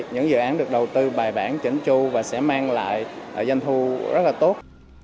những dự án được đầu tư bài bản chỉnh chu và sẽ mang lại doanh thu rất là tốt